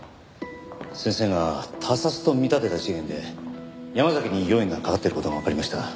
先生が他殺と見立てた事件で山崎に容疑がかかってる事がわかりました。